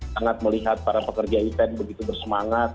sangat melihat para pekerja event begitu bersemangat